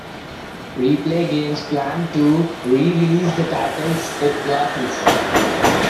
Replay Games planned to re-release the titles it licensed.